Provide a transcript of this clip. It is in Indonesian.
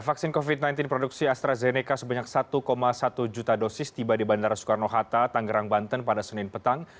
vaksin covid sembilan belas produksi astrazeneca sebanyak satu satu juta dosis tiba di bandara soekarno hatta tanggerang banten pada senin petang